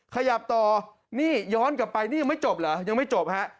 ขยับตอนี่ย้อนกลับไปนี่ยังไม่จบเหรอ